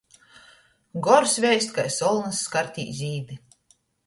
Gors veist kai solnys skartī zīdi.